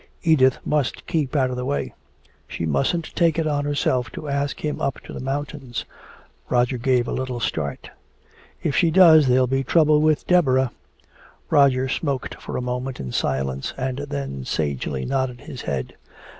Edith must keep out of the way. She mustn't take it on herself to ask him up to the mountains." Roger gave a little start. "If she does, there'll be trouble with Deborah." Roger smoked for a moment in silence and then sagely nodded his head.